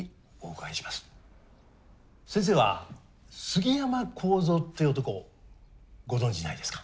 先生は杉山孝三って男をご存じないですか？